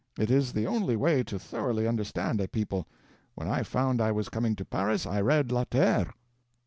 It is the only way to thoroughly understand a people. When I found I was coming to Paris I read La Terre.'"